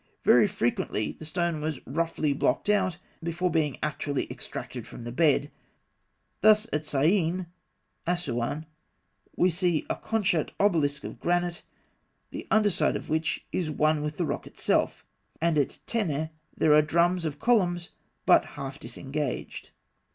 Very frequently the stone was roughly blocked out before being actually extracted from the bed. Thus at Syene (Asûan) we see a couchant obelisk of granite, the under side of which is one with the rock itself; and at Tehneh there are drums of columns but half disengaged.